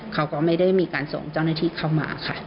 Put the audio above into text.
เขาก็ไม่ได้มีการส่งเจ้าหน้าที่เข้ามาค่ะ